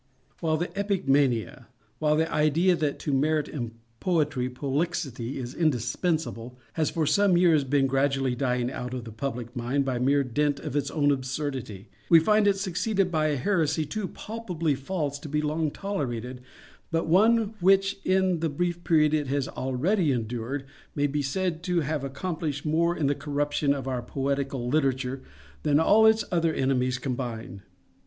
While the epic mania, while the idea that to merit in poetry prolixity is indispensable, has for some years past been gradually dying out of the public mind, by mere dint of its own absurdity, we find it succeeded by a heresy too palpably false to be long tolerated, but one which, in the brief period it has already endured, may be said to have accomplished more in the corruption of our Poetical Literature than all its other enemies combined.